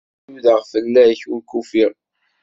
Kra i nudaɣ fell-ak, ur k-ufiɣ.